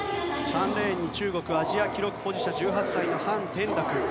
３レーンに中国アジア記録保持者１８歳のハン・テンラク。